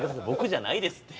僕じゃないです